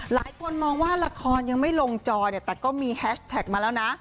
หลายคนมองว่าละครยังไม่ลงจอเนี่ยแต่ก็มีแฮชแท็กมาแล้วนะ